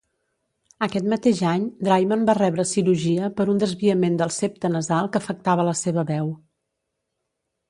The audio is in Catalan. Aquest mateix any, Draiman va rebre cirurgia per un desviament del septe nasal que afectava la seva veu.